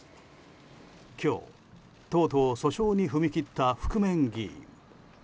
今日とうとう訴訟に踏み切った覆面議員。